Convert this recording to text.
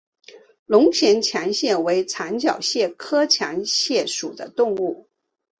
隆线强蟹为长脚蟹科强蟹属的动物。